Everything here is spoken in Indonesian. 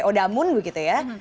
kayak odamun begitu ya